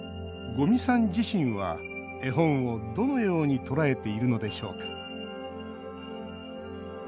五味さん自身は絵本を、どのように捉えているのでしょうか